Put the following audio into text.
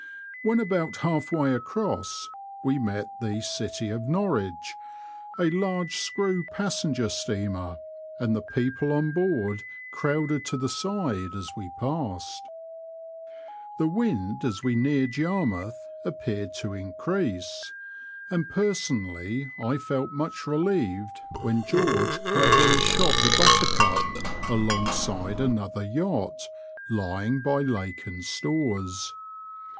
When about half way across we met the City of Norwich, a large screw passenger steamer ; .and the people on board crowded to the side as we passed. The wind as we neared Yarmouth appeared to increase, and personally I felt much relieved when George cleverly shot the Buttercup alongside another yacht lying by Lacon's Stores.